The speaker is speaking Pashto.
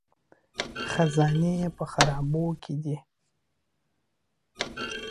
خزانې په خرابو کې دي